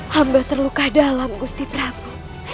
hamba terluka dalam gusti prabu